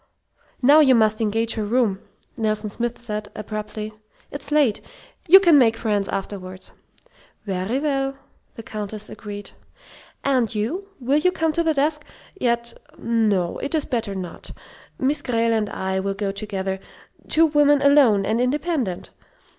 "Now you must engage her room," Nelson Smith said, abruptly. "It's late. You can make friends afterward." "Very well," the Countess agreed. "And you will you come to the desk? Yet, no it is better not. Miss Grayle and I will go together two women alone and independent.